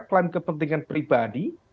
klaim kepentingan pribadi